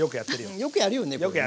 うんよくやるよね